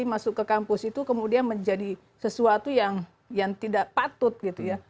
masuk ke kampus itu kemudian menjadi sesuatu yang tidak patut gitu ya